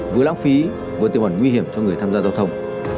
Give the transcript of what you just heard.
vừa lãng phí vừa tiêu ẩn nguy hiểm cho người tham gia giao thông